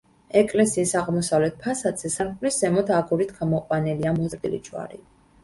ეკლესიის აღმოსავლეთ ფასადზე, სარკმლის ზემოთ აგურით გამოყვანილია მოზრდილი ჯვარი.